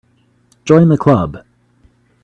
Join the Club.